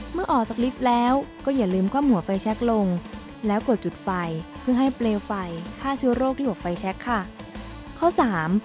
เมื่อออกจากลิฟต์แล้วก็อย่าลืมคว่ำหัวไฟแชคลงแล้วกดจุดไฟเพื่อให้เปลวไฟฆ่าเชื้อโรคที่หกไฟแชคค่ะข้อสาม